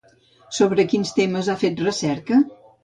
Sobre quins temes ha fet recerca?